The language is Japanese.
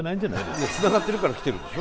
いやつながってるから来てるんでしょ？